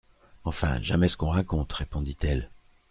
Enfin, jamais ce qu'on raconte, répondit-elle.